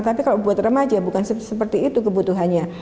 tapi kalau buat remaja bukan seperti itu kebutuhannya